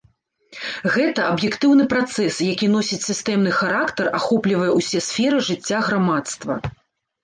Гэта аб'ектыўны працэс, які носіць сістэмны характар, ахоплівае ўсе сферы жыцця грамадства.